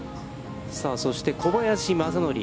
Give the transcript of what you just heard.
そして、小林正則。